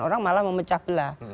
orang malah memecah belah